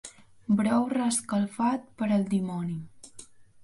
Brou reescalfat, per al dimoni.